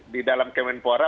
di dalam kemenpora